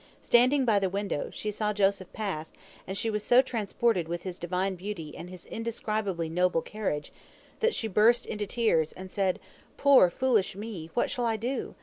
Standing by the window, she saw Joseph pass, and she was so transported with his divine beauty and his indescribably noble carriage that she burst into tears, and said: "Poor, foolish me, what shall I do?